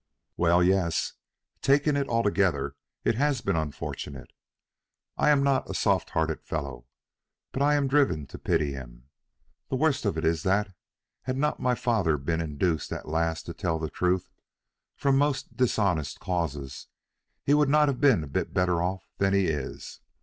"Well, yes; taking it altogether it has been unfortunate. I am not a soft hearted fellow, but I am driven to pity him. The worst of it is that, had not my father been induced at last to tell the truth, from most dishonest causes, he would not have been a bit better off than he is.